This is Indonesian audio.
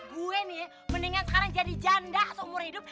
gue nih mendingan sekarang jadi janda seumur hidup